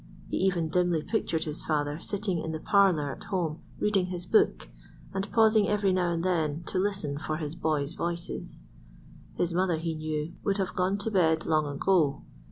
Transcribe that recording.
He even dimly pictured his father sitting in the parlour at home reading his book, and pausing every now and then to listen for his boys' voices. His mother, he knew, would have gone to bed long ago.